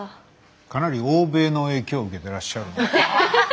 かなり欧米の影響を受けてらっしゃるんですね。